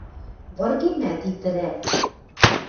Выргемӓт итӹрӓ.